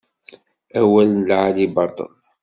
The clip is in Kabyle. Awal n lɛali baṭel.